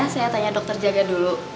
saya tanya dokter jaga dulu